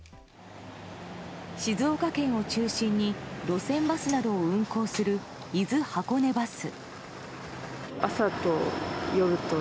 静岡県を中心に路線バスなどを運行する伊豆箱根バス。